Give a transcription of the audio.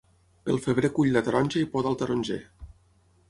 Pel febrer cull la taronja i poda el taronger.